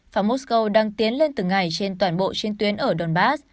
và moscow đang tiến lên từng ngày trên toàn bộ chiến tuyến ở donbass